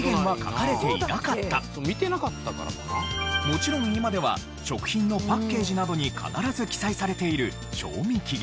もちろん今では食品のパッケージなどに必ず記載されている賞味期限。